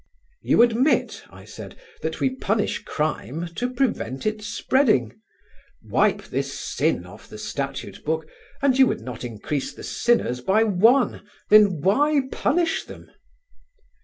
"You admit," I said, "that we punish crime to prevent it spreading; wipe this sin off the statute book and you would not increase the sinners by one: then why punish them?"